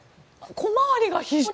小回りが非常に。